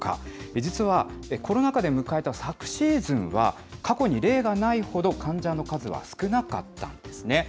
実は、コロナ禍で迎えた昨シーズンは、過去に例がないほど患者の数は少なかったんですね。